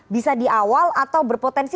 bisa di awal atau berpotensi